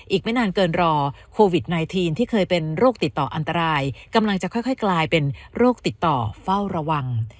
อีกไม่นานเกินรอโควิด๑๙ที่เคยเป็นโรคติดต่ออันตรายกำลังจะค่อยกลายเป็นโรคติดต่อเฝ้าระวัง